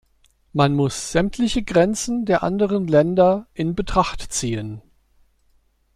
Man muss sämtliche Grenzen der anderen Länder in Betracht ziehen.